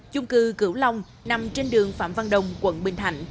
chung cư cửu long nằm trên đường phạm văn đồng quận bình thạnh